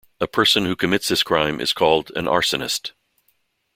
A person who commits this crime is called an arsonist.